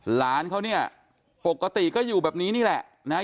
หลานเขาเนี่ยปกติก็อยู่แบบนี้นี่แหละนะฮะ